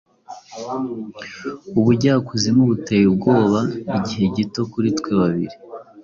Ubujyakuzimu buteye ubwoba Igihe gito kuri twe babiri